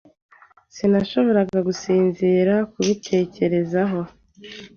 Sinashoboraga gusinzira, kubitekerezaho.